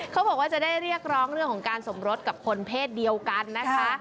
เขาบอกว่าจะได้เรียกร้องเรื่องของการสมรสกับคนเพศเดียวกันนะคะ